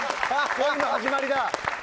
恋の始まりだ。